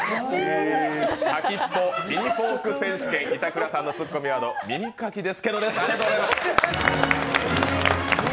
先っぽミニフォーク選手権、板倉さんのツッコミワード「耳かき」です。